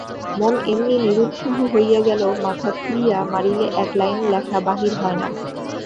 মন এমনি নিরুৎসাহ হইয়া গেল মাথা খুঁড়িয়া মরিলে এক লাইন লেখা বাহির হয় না।